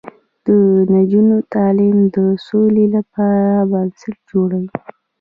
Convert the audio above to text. د نجونو تعلیم د سولې لپاره بنسټ جوړوي.